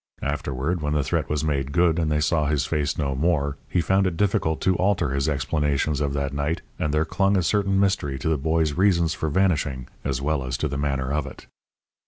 Afterward, when the threat was made good and they saw his face no more, he found it difficult to alter his explanations of that night, and there clung a certain mystery to the boy's reasons for vanishing as well as to the manner of it.